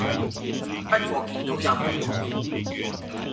不過見到有毛孔